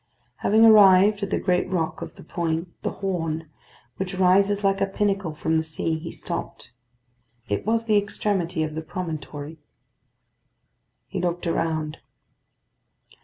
Having arrived at the great rock of the point, the Horn, which rises like a pinnacle from the sea, he stopped. It was the extremity of the promontory. He looked around.